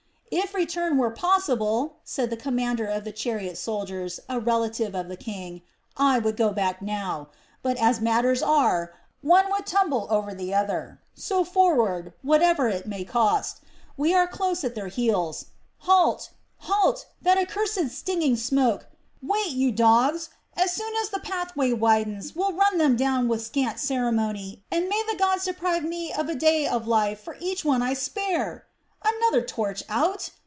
"If return were possible," said the commander of the chariot soldiers, a relative of the king, "I would go back now. But as matters are, one would tumble over the other. So forward, whatever it may cost. We are close on their heels. Halt! Halt! That accursed stinging smoke! Wait, you dogs! As soon as the pathway widens, we'll run you down with scant ceremony, and may the gods deprive me of a day of life for each one I spare! Another torch out!